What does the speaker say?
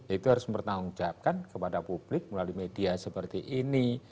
itu harus mempertanggungjawabkan kepada publik melalui media seperti ini